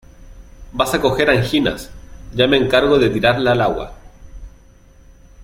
vas a coger anginas, ya me encargo de tirarla al agua.